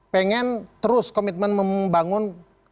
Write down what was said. pengen terus komitmen membangun